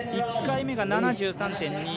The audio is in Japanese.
１回目が７３．２５。